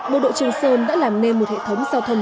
bộ đội trường sơn đã làm nên một hệ thống giao thông